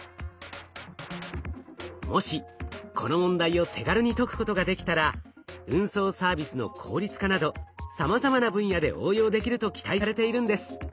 もしこの問題を手軽に解くことができたらさまざまな分野で応用できると期待されているんです。